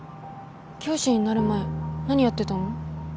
教師になる前何やってたの？